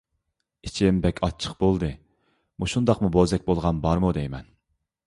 ئىچىم بەك ئاچچىق بولدى. مۇشۇنداقمۇ بوزەك بولغان بارمۇ دەيمەن.